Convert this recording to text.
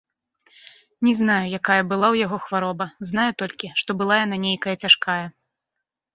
Не знаю, якая была ў яго хвароба, знаю толькі, што была яна нейкая цяжкая.